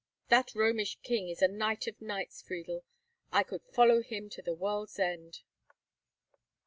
That Romish king is a knight of knights, Friedel. I could follow him to the world's end.